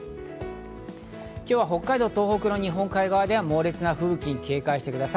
今日は北海道、東北の日本海側で猛烈な吹雪に警戒してください。